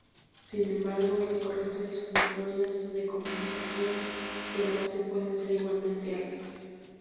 Sin embargo las corrientes transitorias de conmutación de la base pueden ser igualmente altas.